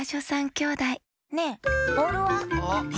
きょうだいねえボールは？